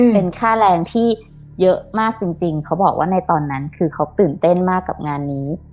เป็นค่าแรงที่เยอะมากจริงเขาบอกว่าในตอนนั้นคือเขาตื่นเต้นมากกับงานนี้